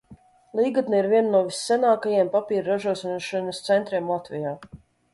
Līgatne ir viens no vissenākajiem papīra ražošanas centriem Latvijā.